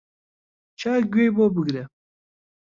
چاک گوێی بۆ بگرە